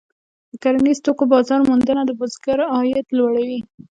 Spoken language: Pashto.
د کرنیزو توکو بازار موندنه د بزګر عاید لوړوي.